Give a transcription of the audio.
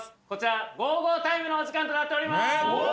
こちらゴーゴータイムのお時間となっております！